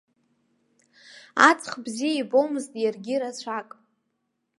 Аҵх бзиа ибомызт иаргьы рацәак.